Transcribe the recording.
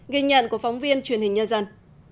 ghi nhận của phóng viên truyền hình nhân dân